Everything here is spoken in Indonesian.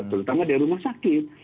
terutama dari rumah sakit